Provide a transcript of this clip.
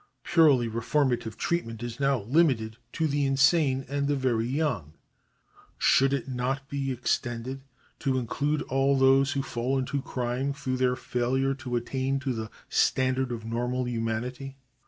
Purely reform ative treatment is now limited to the insane and the very young ; should it not be extended to include all those who fall into crime through their failure to attain to the standard of normal humanity